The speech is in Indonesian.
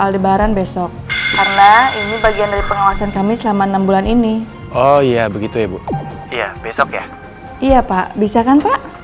jangan jangan jangan